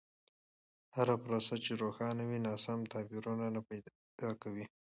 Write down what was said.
هره پروسه چې روښانه وي، ناسم تعبیر نه پیدا کوي.